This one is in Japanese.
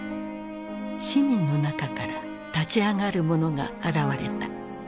市民の中から立ち上がる者が現れた。